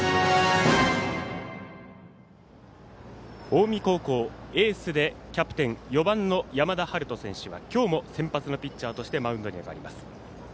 近江高校エースでキャプテン４番の山田陽翔選手は今日も先発のピッチャーとしてマウンドに上がります。